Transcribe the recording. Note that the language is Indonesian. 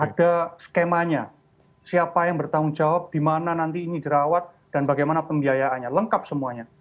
ada skemanya siapa yang bertanggung jawab di mana nanti ini dirawat dan bagaimana pembiayaannya lengkap semuanya